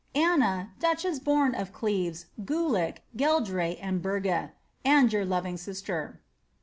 ^ Anna, Duchess born of Cleves, Gulick, Geldre, and Berge, and your loving sister."